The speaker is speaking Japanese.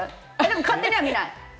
勝手には見ない。